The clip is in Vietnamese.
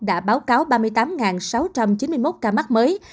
đã báo cáo ba mươi tám sáu trăm chín mươi một ca mắc mới